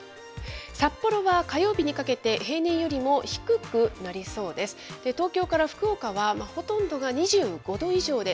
札幌は火曜日にかけて、平年よりも低くなりそうです。